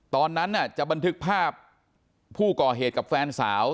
ตอนนั้นจะบันทึกภาพผู้ก่อเหตุกับแฟนสาว